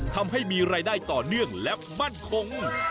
ทำให้มีรายได้ต่อเนื่องและมั่นคง